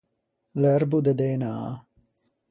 L’erbo de Dënâ.